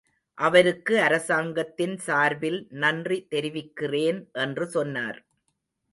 அவருக்கு அரசாங்கத்தின் சார்பில் நன்றி தெரிவிக்கிறேன் என்று சொன்னார்.